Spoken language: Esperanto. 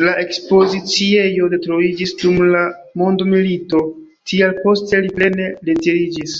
La ekspoziciejo detruiĝis dum la mondomilito, tial poste li plene retiriĝis.